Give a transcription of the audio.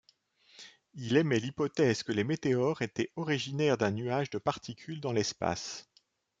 Il émet l'hypothèse que les météores étaient originaires d'un nuage de particules dans l'espace.